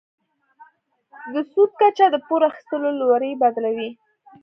د سود کچه د پور اخیستلو لوری بدلوي.